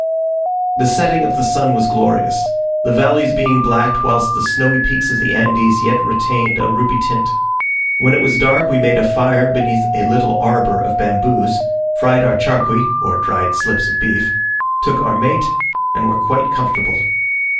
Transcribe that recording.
The setting of the sun was glorious; the valleys being black whilst the snowy peaks of the Andes yet retained a ruby tint. When it was dark, we made a fire beneath a little arbour of bamboos, fried our charqui (or dried slips of beef), took our mate, and were quite comfortable.